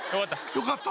よかった。